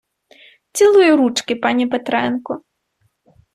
Цілую ручки, пані Петренко.